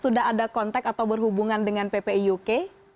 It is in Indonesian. sudah ada kontak atau berhubungan dengan ppi uk